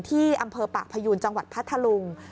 ที่อำเภอปากพยูนจังหวัดพัทธลุง